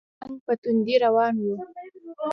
جنګ په توندۍ روان وو.